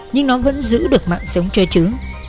nhưng nó vẫn giữ được mạng sống cho chứ